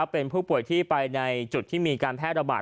เป็นผู้ป่วยที่ไปในจุดที่มีการแพร่ระบาด